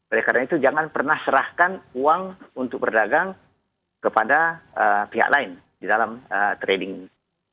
oleh karena itu jangan pernah serahkan uang untuk berdagang kepada pihak lain di dalam trading ini